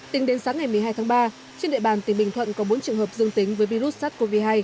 tính đến sáng ngày một mươi hai tháng ba trên địa bàn tỉnh bình thuận có bốn trường hợp dương tính với virus sars cov hai